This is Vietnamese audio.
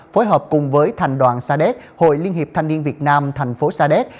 phối hợp cùng với thành đoàn sa đéc hội liên hiệp thanh niên việt nam thành phố sa đéc